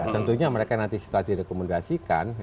tentunya mereka nanti setelah direkomendasikan